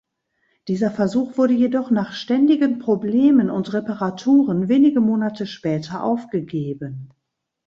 Dieser Versuch wurde jedoch nach ständigen Problemen und Reparaturen wenige Monate später aufgegeben.